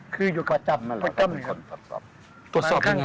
คืออยู่กับพระกรมนี่ครับตรวจสอบยังไง